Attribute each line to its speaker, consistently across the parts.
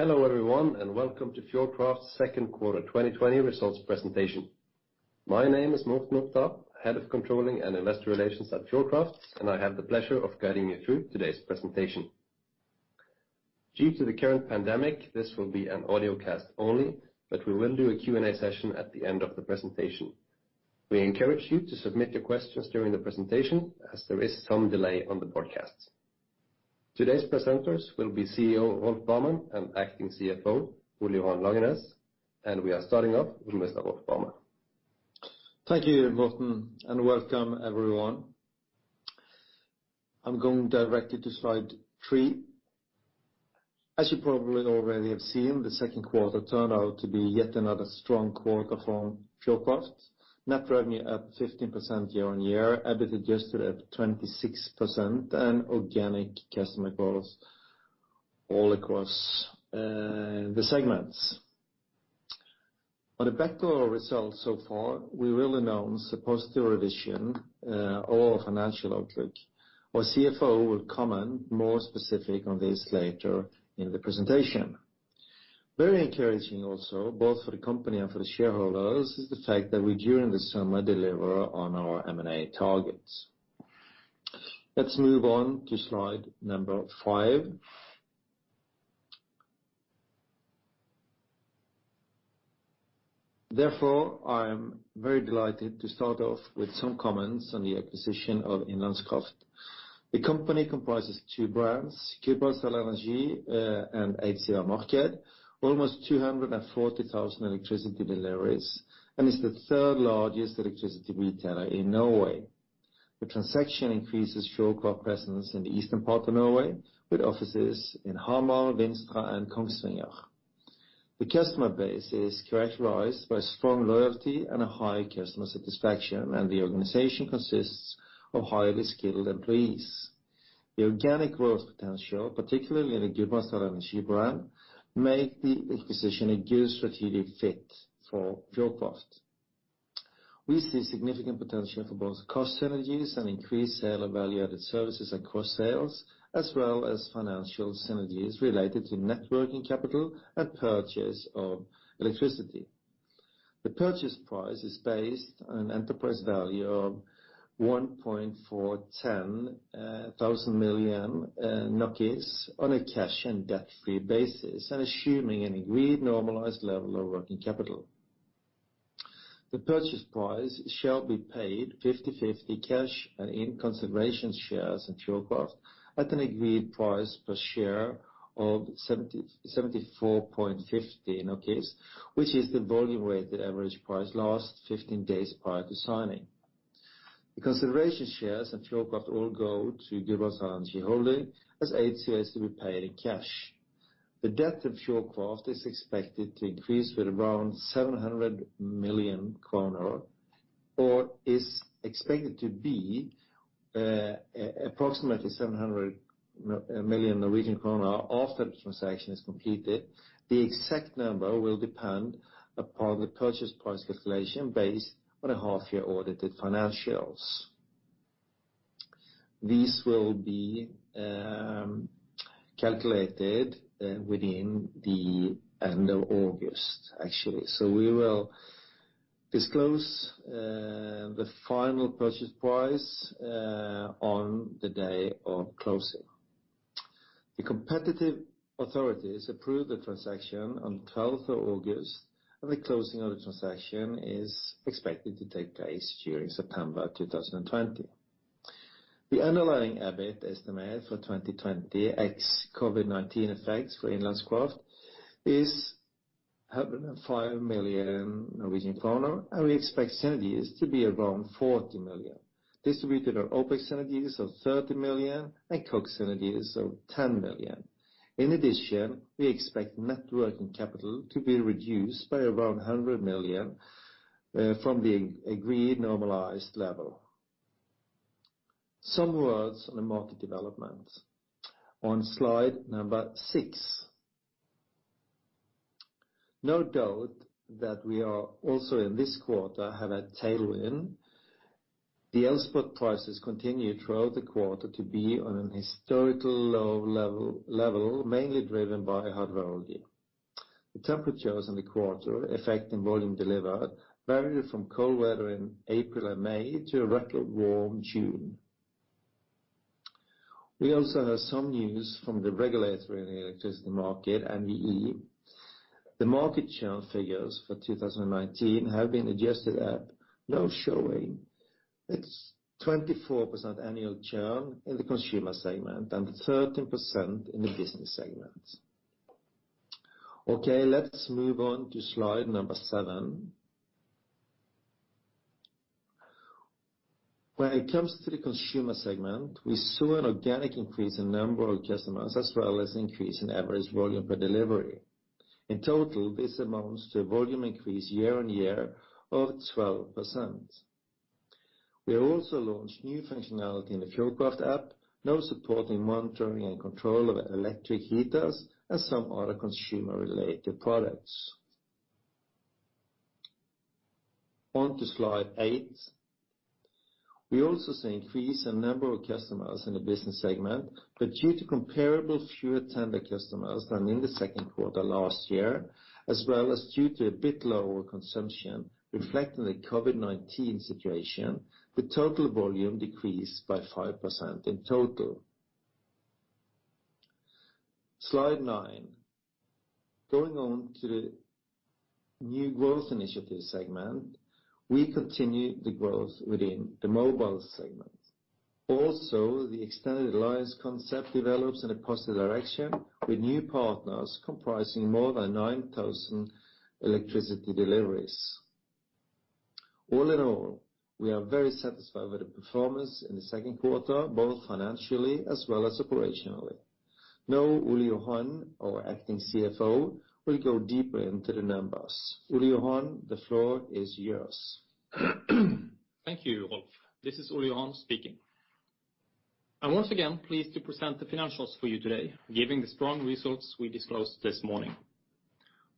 Speaker 1: Hello, everyone, and Welcome to Fjordkraft's second quarter 2020 results presentation. My name is Morten Opdal, Head of Controlling and Investor Relations at Fjordkraft, and I have the pleasure of guiding you through today's presentation. Due to the current pandemic, this will be an audio cast only, but we will do a Q&A session at the end of the presentation. We encourage you to submit your questions during the presentation as there is some delay on the broadcast. Today's presenters will be CEO Rolf Barmen and Acting CFO Ole Johan Langenes, and we are starting off with Mr. Rolf Barmen.
Speaker 2: Thank you, Morten, and welcome everyone. I'm going directly to slide three. As you probably already have seen, the second quarter turned out to be yet another strong quarter for Fjordkraft. Net revenue up 15% year-on-year, EBITDA adjusted at 26%, and organic customer growth all across the segments. On the back of our results so far, we will announce a positive revision of our financial outlook. Our CFO will comment more specific on this later in the presentation. Very encouraging also, both for the company and for the shareholders, is the fact that we during the summer deliver on our M&A targets. Let's move on to slide number five. Therefore, I am very delighted to start off with some comments on the acquisition of Innlandskraft. The company comprises two brands, Gudbrandsdal Energi and Eidsiva Marked, almost 240,000 electricity deliveries, and is the third largest electricity retailer in Norway. The transaction increases Fjordkraft presence in the eastern part of Norway with offices in Hamar, Vinstra, and Kongsvinger. The customer base is characterized by strong loyalty and a high customer satisfaction, and the organization consists of highly skilled employees. The organic growth potential, particularly in the Gudbrandsdal Energi brand, make the acquisition a good strategic fit for Fjordkraft. We see significant potential for both cost synergies and increased sale of value-added services and cross-sales, as well as financial synergies related to net working capital and purchase of electricity. The purchase price is based on an enterprise value of 1.410 billion on a cash and debt-free basis and assuming an agreed normalized level of working capital. The purchase price shall be paid 50/50 cash and in consideration shares in Fjordkraft at an agreed price per share of 74.50, which is the volume-weighted average price last 15 days prior to signing. The consideration shares in Fjordkraft will go to Gudbrandsdal Energi Holding AS to be paid in cash. The debt of Fjordkraft is expected to increase with around 700 million kroner or is expected to be approximately 700 million Norwegian kroner after the transaction is completed. The exact number will depend upon the purchase price calculation based on a half-year audited financials. These will be calculated within the end of August, actually. We will disclose the final purchase price on the day of closing. The competitive authorities approved the transaction on August 12th, and the closing of the transaction is expected to take place during September 2020. The underlying EBIT estimate for 2020 ex-COVID-19 effects for Innlandskraft is 105 million Norwegian kroner, and we expect synergies to be around 40 million, distributed on OpEx synergies of 30 million and COGS synergies of 10 million. In addition, we expect net working capital to be reduced by around 100 million from the agreed normalized level. Some words on the market development on slide number six. No doubt that we are also in this quarter have a tailwind. The elspot prices continued throughout the quarter to be on an historical low level, mainly driven by hot weather again. The temperatures in the quarter affecting volume delivered varied from cold weather in April and May to a record warm June. We also have some news from the regulatory electricity market, NVE. The market churn figures for 2019 have been adjusted up, now showing its 24% annual churn in the consumer segment and 13% in the business segment. Okay, let's move on to slide number seven. When it comes to the consumer segment, we saw an organic increase in number of customers as well as increase in average volume per delivery. In total, this amounts to a volume increase year-on-year of 12%. We have also launched new functionality in the Fjordkraft app, now supporting monitoring and control of electric heaters and some other consumer-related products. On to slide eight. We also see increase in number of customers in the business segment, due to comparable fewer tender customers than in the second quarter last year, as well as due to a bit lower consumption reflecting the COVID-19 situation, the total volume decreased by 5% in total. Slide nine, going on to the new growth initiatives segment. We continue the growth within the mobile segment. Also, the extended alliance concept develops in a positive direction with new partners comprising more than 9,000 electricity deliveries. All in all, we are very satisfied with the performance in the second quarter, both financially as well as operationally. Now Ole Johan, our Acting CFO, will go deeper into the numbers. Ole Johan, the floor is yours.
Speaker 3: Thank you, Rolf. This is Ole Johan speaking. I'm once again pleased to present the financials for you today, giving the strong results we disclosed this morning.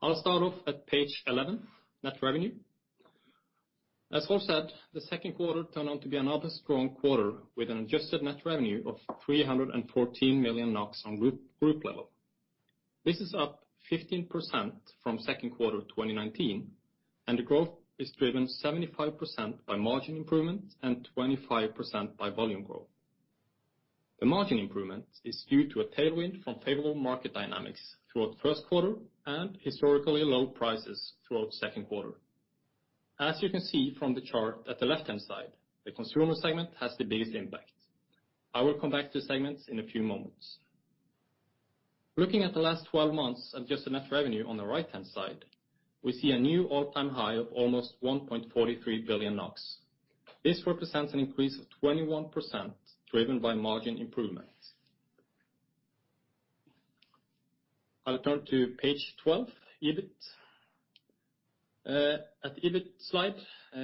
Speaker 3: I'll start off at page 11, net revenue. As Rolf said, the second quarter turned out to be another strong quarter with an adjusted net revenue of 314 million NOK on group level. This is up 15% from second quarter of 2019. The growth is driven 75% by margin improvements and 25% by volume growth. The margin improvement is due to a tailwind from favorable market dynamics throughout the first quarter and historically low prices throughout second quarter. As you can see from the chart at the left-hand side, the consumer segment has the biggest impact. I will come back to segments in a few moments. Looking at the last 12 months adjusted net revenue on the right-hand side, we see a new all-time high of almost 1.43 billion NOK. This represents an increase of 21% driven by margin improvements. I'll turn to page 12, EBIT. At the EBIT slide,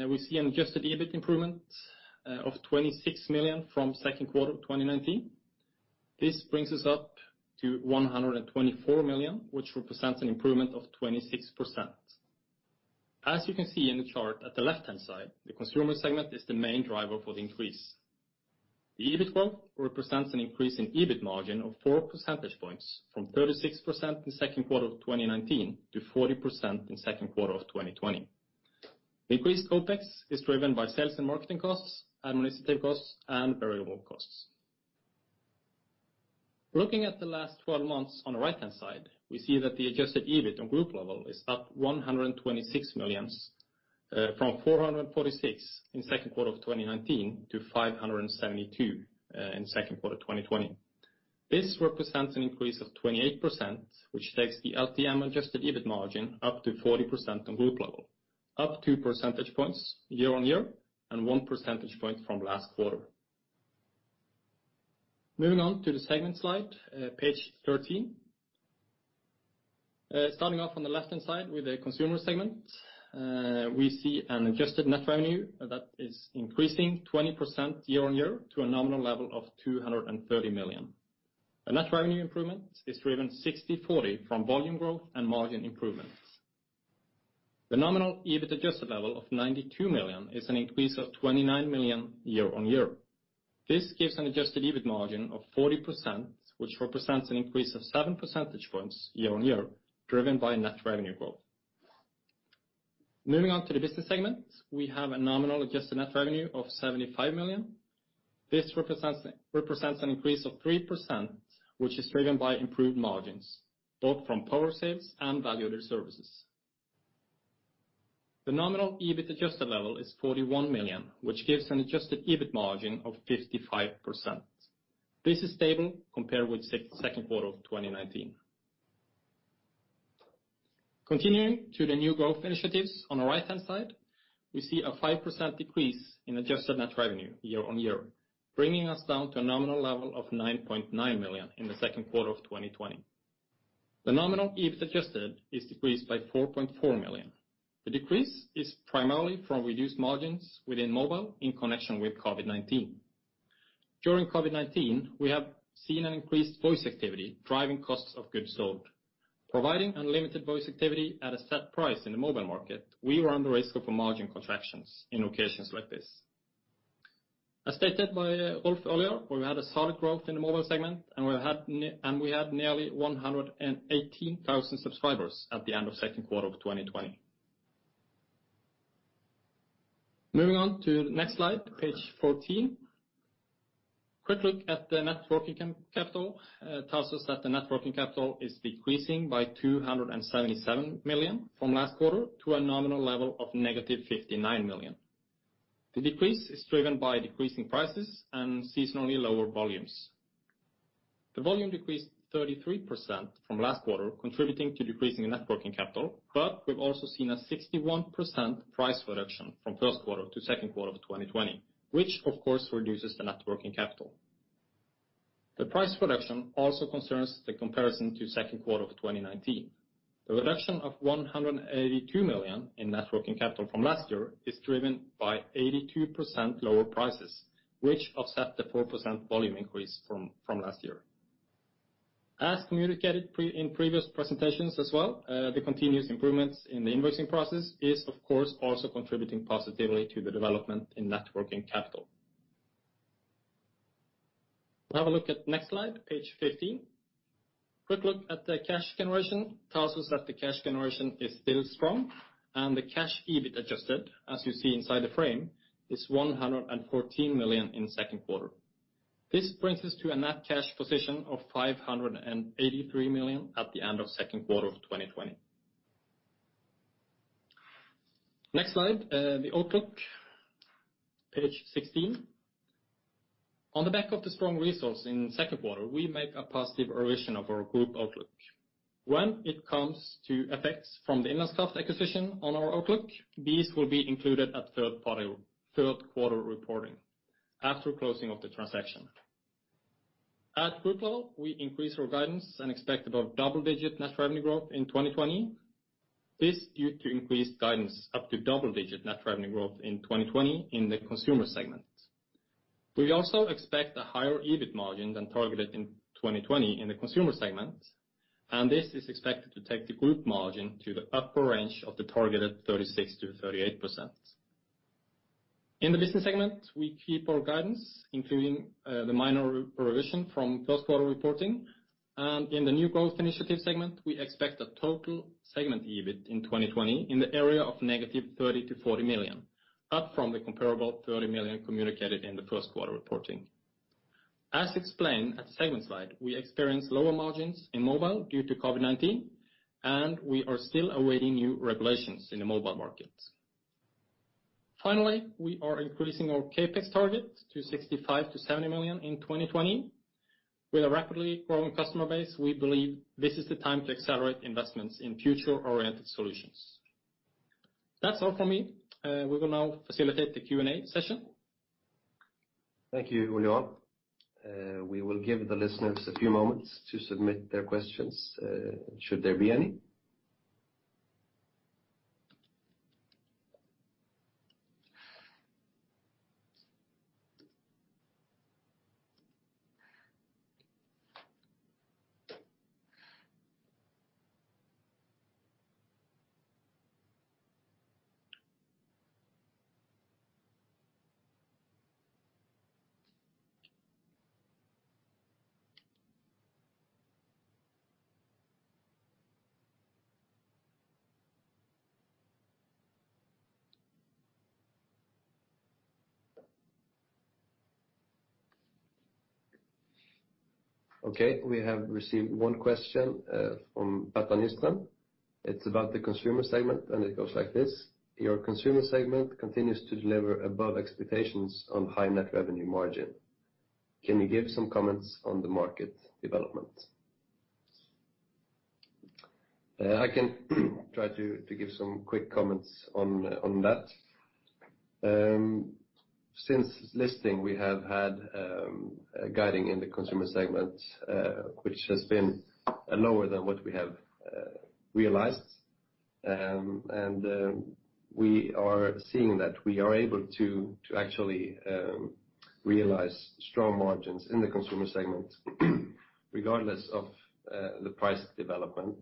Speaker 3: we see an adjusted EBIT improvement of 26 million from second quarter of 2019. This brings us up to 124 million, which represents an improvement of 26%. As you can see in the chart at the left-hand side, the consumer segment is the main driver for the increase. The EBIT growth represents an increase in EBIT margin of four percentage points from 36% in second quarter of 2019 to 40% in second quarter of 2020. Increased OpEx is driven by sales and marketing costs, administrative costs, and variable costs. Looking at the last 12 months on the right-hand side, we see that the adjusted EBIT on group level is up 126 million, from 446 in second quarter of 2019 to 572 in second quarter 2020. This represents an increase of 28%, which takes the LTM adjusted EBIT margin up to 40% on group level. Up two percentage points year on year, and one percentage point from last quarter. Moving on to the segment slide, page 13. Starting off on the left-hand side with the consumer segment. We see an adjusted net revenue that is increasing 20% year on year to a nominal level of 230 million. A net revenue improvement is driven 60/40 from volume growth and margin improvements. The nominal EBIT adjusted level of 92 million is an increase of 29 million year on year. This gives an adjusted EBIT margin of 40%, which represents an increase of seven percentage points year-on-year, driven by net revenue growth. Moving on to the business segment, we have a nominal adjusted net revenue of 75 million. This represents an increase of 3%, which is driven by improved margins, both from power sales and value-added services. The nominal EBIT adjusted level is 41 million, which gives an adjusted EBIT margin of 55%. This is stable compared with second quarter of 2019. Continuing to the new growth initiatives on the right-hand side, we see a 5% decrease in adjusted net revenue year-on-year, bringing us down to a nominal level of 9.9 million in the second quarter of 2020. The nominal EBIT adjusted is decreased by 4.4 million. The decrease is primarily from reduced margins within mobile in connection with COVID-19. During COVID-19, we have seen an increased voice activity driving Cost of Goods Sold. Providing unlimited voice activity at a set price in the mobile market, we run the risk of a margin contractions in occasions like this. As stated by Rolf earlier, we had a solid growth in the mobile segment and we had nearly 118,000 subscribers at the end of second quarter of 2020. Moving on to the next slide, page 14. Quick look at the net working capital tells us that the net working capital is decreasing by 277 million from last quarter to a nominal level of -59 million. The decrease is driven by decreasing prices and seasonally lower volumes. The volume decreased 33% from last quarter, contributing to decreasing net working capital, but we've also seen a 61% price reduction from first quarter to second quarter of 2020, which of course reduces the net working capital. The price reduction also concerns the comparison to second quarter of 2019. The reduction of 182 million in net working capital from last year is driven by 82% lower prices, which offset the 4% volume increase from last year. As communicated in previous presentations as well, the continuous improvements in the invoicing process is, of course, also contributing positively to the development in net working capital. We'll have a look at next slide, page 15. Quick look at the cash conversion tells us that the cash conversion is still strong and the cash EBIT adjusted, as you see inside the frame, is 114 million in second quarter. This brings us to a net cash position of 583 million at the end of second quarter of 2020. Next slide, the outlook, page 16. On the back of the strong results in the second quarter, we make a positive revision of our group outlook. When it comes to effects from the Innlandskraft acquisition on our outlook, these will be included at third quarter reporting after closing of the transaction. At group level, we increase our guidance and expect above double-digit net revenue growth in 2020. This due to increased guidance up to double-digit net revenue growth in 2020 in the consumer segment. We also expect a higher EBIT margin than targeted in 2020 in the consumer segment, and this is expected to take the group margin to the upper range of the targeted 36%-38%. In the Business segment, we keep our guidance, including the minor revision from first quarter reporting, and in the New Growth Initiatives segment, we expect a total segment EBIT in 2020 in the area of negative 30 million-40 million, up from the comparable 30 million communicated in the first quarter reporting. As explained at the segment slide, we experience lower margins in mobile due to COVID-19, and we are still awaiting new regulations in the mobile market. Finally, we are increasing our CapEx target to 65 million-70 million in 2020. With a rapidly growing customer base, we believe this is the time to accelerate investments in future-oriented solutions. That's all from me. We will now facilitate the Q&A session.
Speaker 1: Thank you, Ole Johan. We will give the listeners a few moments to submit their questions, should there be any. Okay, we have received one question from [Patanistan]. It's about the consumer segment, and it goes like this. "Your consumer segment continues to deliver above expectations on high net revenue margin. Can you give some comments on the market development?" I can try to give some quick comments on that. Since listing, we have had guiding in the consumer segment which has been lower than what we have realized. We are seeing that we are able to actually realize strong margins in the consumer segment regardless of the price development.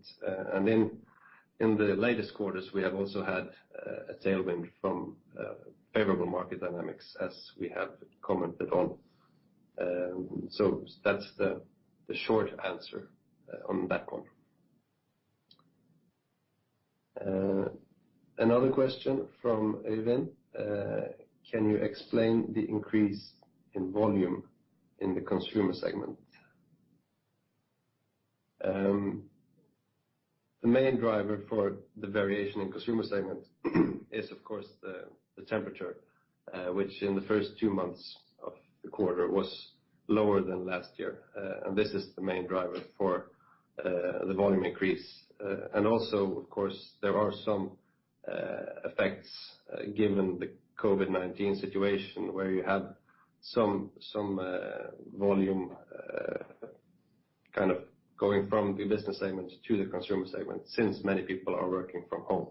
Speaker 1: In the latest quarters, we have also had a tailwind from favorable market dynamics as we have commented on. That's the short answer on that one. Another question from Evan. "Can you explain the increase in volume in the consumer segment?" The main driver for the variation in consumer segment is, of course, the temperature, which in the first two months of the quarter was lower than last year. This is the main driver for the volume increase. Also, of course, there are some effects given the COVID-19 situation where you had some volume going from the business segment to the consumer segment since many people are working from home.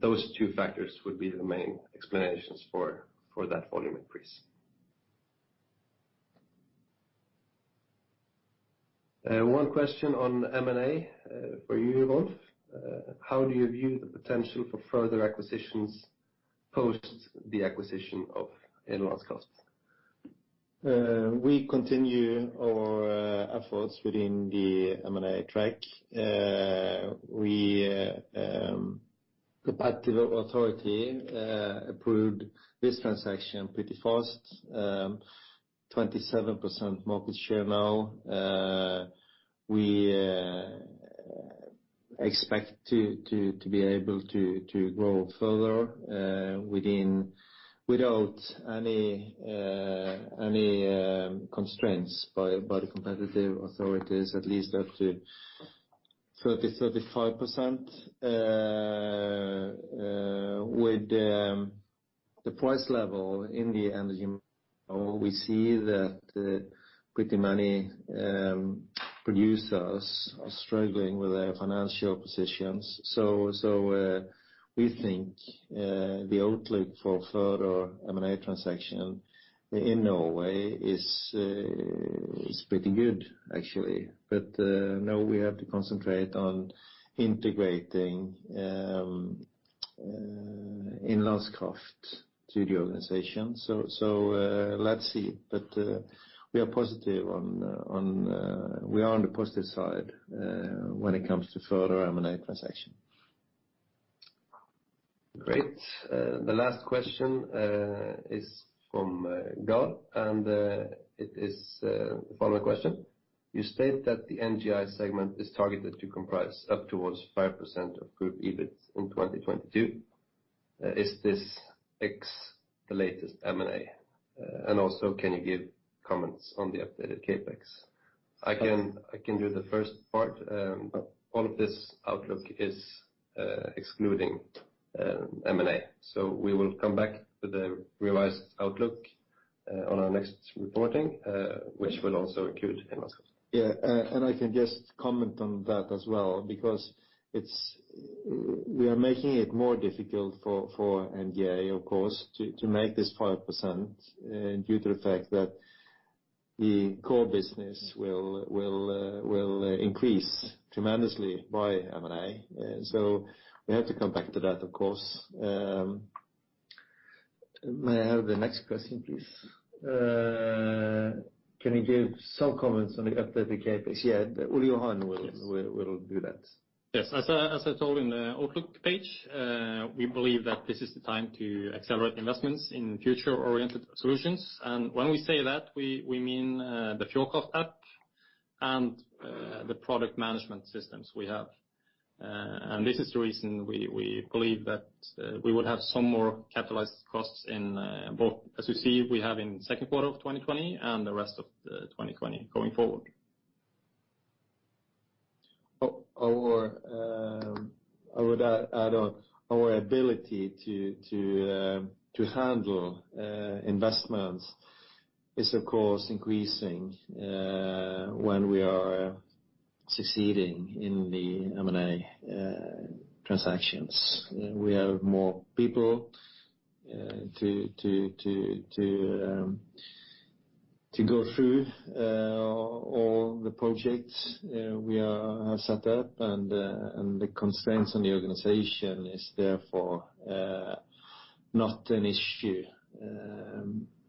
Speaker 1: Those two factors would be the main explanations for that volume increase. One question on M&A for you, Rolf. "How do you view the potential for further acquisitions post the acquisition of Innlandskraft?
Speaker 2: We continue our efforts within the M&A track. competitive authority approved this transaction pretty fast. 27% market share now. We expect to be able to grow further without any constraints by the competitive authorities, at least up to 30%, 35%. With the price level in the energy market, we see that pretty many producers are struggling with their financial positions. We think the outlook for further M&A transaction In Norway is pretty good, actually. Now we have to concentrate on integrating Innlandskraft to the organization. Let's see. We are on the positive side when it comes to further M&A transaction.
Speaker 1: Great. The last question is from [Gal], and it is the following question: "You state that the NGI segment is targeted to comprise up towards 5% of group EBIT in 2022. Is this ex the latest M&A? Also can you give comments on the updated CapEx?" I can do the first part. All of this outlook is excluding M&A. We will come back with a revised outlook on our next reporting, which will also include Innlandskraft.
Speaker 2: I can just comment on that as well, because we are making it more difficult for NGI, of course, to make this 5%, due to the fact that the core business will increase tremendously by M&A. We have to come back to that, of course. May I have the next question, please?
Speaker 1: Can you give some comments on the updated CapEx yet?
Speaker 2: Ole Johan will do that.
Speaker 3: Yes. As I told in the outlook page, we believe that this is the time to accelerate investments in future-oriented solutions. When we say that, we mean the Fjordkraft app and the product management systems we have. This is the reason we believe that we will have some more capitalized costs in both, as you see we have in second quarter of 2020 and the rest of 2020 going forward.
Speaker 2: I would add on our ability to handle investments is of course increasing when we are succeeding in the M&A transactions. We have more people to go through all the projects we have set up and the constraints on the organization is therefore not an issue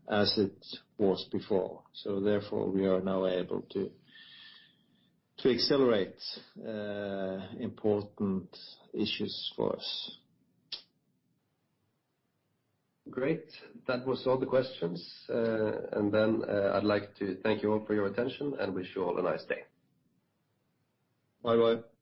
Speaker 2: as it was before. Therefore, we are now able to accelerate important issues for us.
Speaker 1: Great. That was all the questions. I'd like to thank you all for your attention and wish you all a nice day.
Speaker 2: Bye-bye.